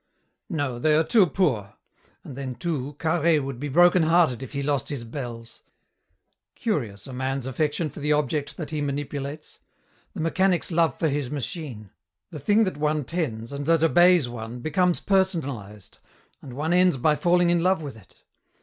"No, they are too poor, and then too Carhaix would be broken hearted if he lost his bells. Curious, a man's affection for the object that he manipulates. The mechanic's love for his machine. The thing that one tends, and that obeys one, becomes personalized, and one ends by falling in love with it.